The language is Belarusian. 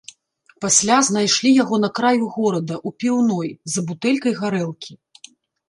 Пасля знайшлі яго на краю горада ў піўной за бутэлькай гарэлкі.